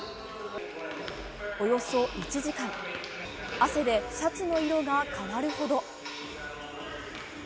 およそ１時間汗でシャツの色が変わるほど。